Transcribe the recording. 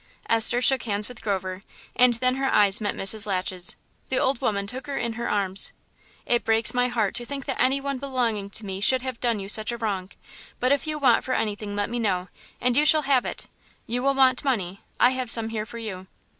Esther shook hands with Grover, and then her eyes met Mrs. Latch's. The old woman took her in her arms. "It breaks my heart to think that one belonging to me should have done you such a wrong But if you want for anything let me know, and you shall have it. You will want money; I have some here for you."